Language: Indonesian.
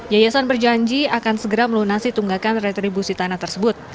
yayasan berjanji akan segera melunasi tunggakan retribusi tanah tersebut